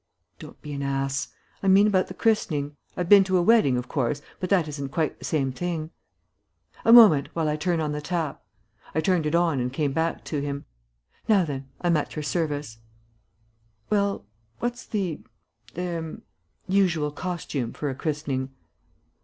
"Don't be an ass. I mean about the christening. I've been to a wedding, of course, but that isn't quite the same thing." "A moment, while I turn on the tap." I turned it on and came back to him. "Now then, I'm at your service." "Well, what's the er usual costume for a christening?"